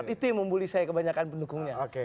itu yang membuli saya kebanyakan pendukungnya